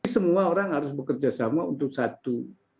semua orang harus bekerja sama untuk satu